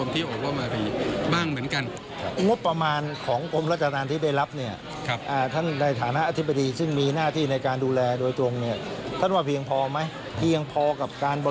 ในสังคมไทยซึ่งเป็นสังคมที่ออกมา